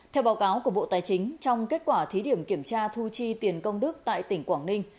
theo báo cáo của bộ tài chính trong kết quả thí điểm kiểm tra thu chi tiền công đức tại tỉnh quảng ninh